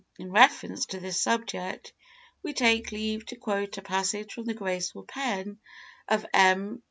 In reference to this subject, we take leave to quote a passage from the graceful pen of M.